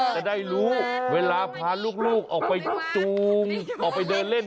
จะได้รู้เวลาพาลูกออกไปจูงออกไปเดินเล่น